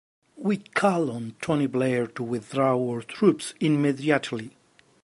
We call on Tony Blair to withdraw our troops immediately.